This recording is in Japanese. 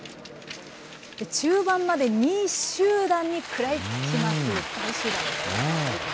中盤まで２位集団に食らいつきます。